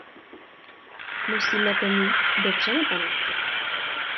Musíme to mít dobře na paměti.